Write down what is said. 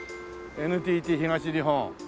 「ＮＴＴ東日本」